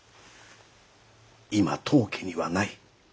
今当家にはない。